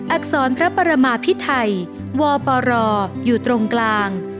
อักษรพระปรมาพิไทยวปรอยู่ตรงกลาง